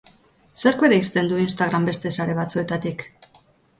Zerk bereizten du Instagram beste sare batzuetatik?